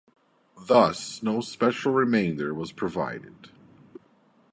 Thus no special remainder was provided.